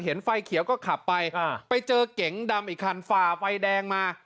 ไฟเขียวก็ขับไปไปเจอเก๋งดำอีกคันฝ่าไฟแดงมา